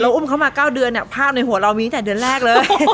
อุ้มเขามา๙เดือนภาพในหัวเรามีตั้งแต่เดือนแรกเลย